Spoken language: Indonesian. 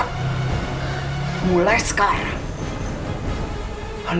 mas mulai sekarang